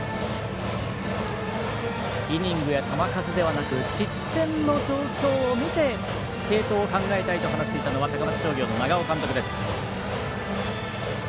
イニングや球数ではなく失点の状況を見て継投を考えたいと話していたのは高松商業の長尾監督です。